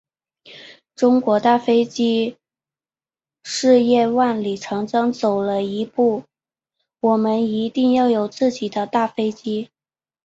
中国大飞机事业万里长征走了又一步，我们一定要有自己的大飞机。